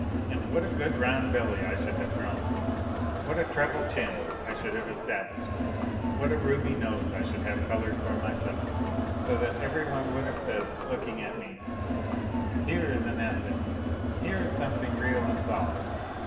And what a good round belly I should have grown, what a treble chin I should have established, what a ruby nose I should have coloured for myself, so that every one would have said, looking at me :" Here is an asset ! Here is something real and solid